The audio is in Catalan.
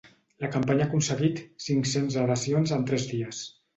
La campanya ha aconseguit cinc-cents adhesions en tres dies.